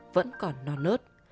vẫn còn non ớt